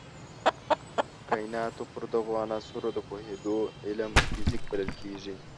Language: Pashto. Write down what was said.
د کایناتو پر دغو عناصرو د پوهېدو علم فزیک بلل کېږي.